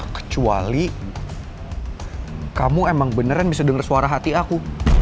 kecuali kamu emang beneran bisa dengar suara hati aku